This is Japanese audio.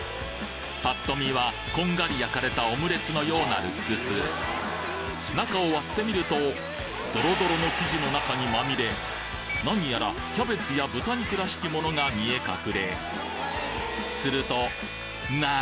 パッと見はこんがり焼かれたオムレツのようなルックス中を割ってみるとどろどろの生地の中にまみれ何やらキャベツや豚肉らしきものが見え隠れすると何？